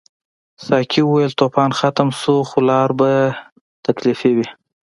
ساقي وویل طوفان ختم شو خو لار به تکلیفي وي.